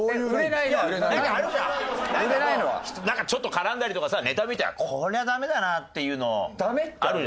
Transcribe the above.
なんかちょっと絡んだりとかさネタを見てこりゃダメだなっていうのあるじゃん。